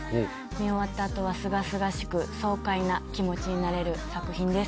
見終わった後はすがすがしく爽快な気持ちになれる作品です。